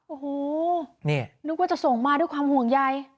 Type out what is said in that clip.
โอ้โหนี่นึกว่าจะส่งมาด้วยความห่วงใย